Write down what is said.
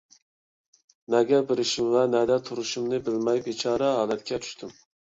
نەگە بېرىشىم ۋە نەدە تۇرۇشۇمنى بىلمەي بىچارە ھالەتكە چۈشتۈم.